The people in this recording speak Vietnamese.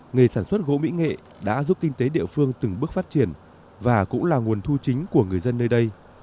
nghề sản xuất gỗ mỹ nghệ đã giúp kinh tế địa phương từng bước phát triển và cũng là nguồn thu chính của người dân nơi đây